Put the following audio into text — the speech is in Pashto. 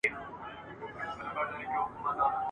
نه اختر ته مي زړه کیږي نه مي جشن پکښي خپل سو ..